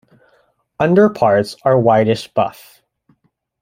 Underparts are whitish-buff.